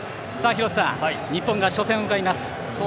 廣瀬さん、日本が初戦を迎えます。